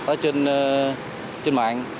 ở trên mạng